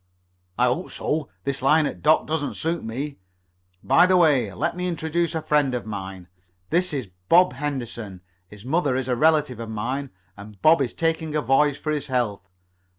"I hope so. This lying at dock doesn't suit me. By the way, let me introduce a friend of mine. This is Bob Henderson. His mother is a relative of mine, and Bob is taking a voyage for his health.